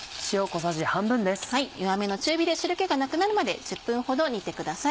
弱めの中火で汁気がなくなるまで１０分ほど煮てください。